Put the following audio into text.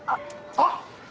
あっ！